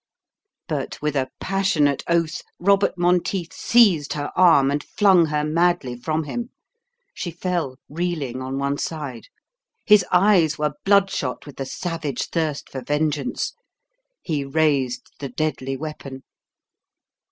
But with a passionate oath, Robert Monteith seized her arm and flung her madly from him. She fell, reeling, on one side. His eyes were bloodshot with the savage thirst for vengeance. He raised the deadly weapon.